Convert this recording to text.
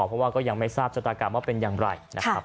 เพราะว่าก็ยังไม่ทราบชะตากรรมว่าเป็นอย่างไรนะครับ